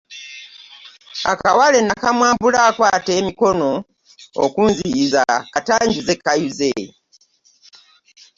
Akawale nakamwambula ankwata emikono okunziyiza kata njuze kayuze.